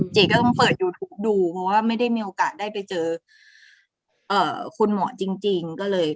เจ๊ก็ต้องเปิดยูทูปดูเพราะว่าไม่ได้มีโอกาสได้ไปเจอคุณหมอจริงก็เลย